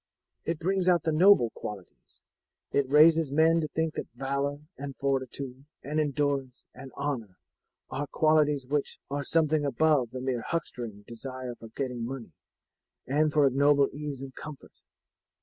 It brings out the noble qualities; it raises men to think that valour and fortitude and endurance and honour are qualities which are something above the mere huckstering desire for getting money, and for ignoble ease and comfort.